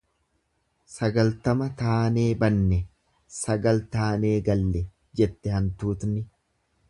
"""Sagaltama taanee banne, sagal taanee galle"" jette, hantuutni."